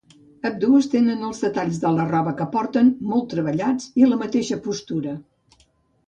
Ambdues tenen els detalls de la roba que porten molt treballats i la mateixa postura.